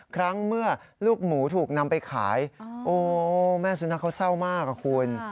ครั้งเมื่อลูกหมูถูกนำไปขายโอ้แม่สุนัขเขาเศร้ามากอะคุณ